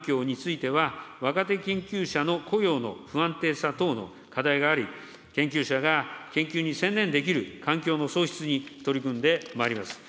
わが国の研究環境については、若手研究者の雇用の不安定さ等の課題があり、研究者が研究に専念できる環境の創出に取り組んでまいります。